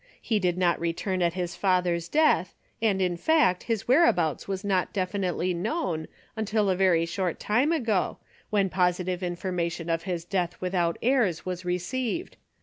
He did not return at his father's death, and in fact his whereabouts was not definitely known, until a very short time ago, when positive information of his death without heirs was received.